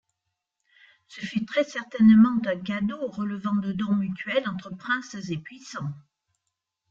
Ce fut très certainement un cadeau relevant de dons mutuels entre princes et puissants.